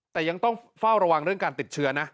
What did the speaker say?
แต่ยังต้องเฝ้าระวังเรื่องการติดเชื้อนะ